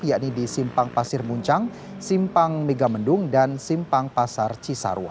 yakni di simpang pasir muncang simpang megamendung dan simpang pasar cisarwa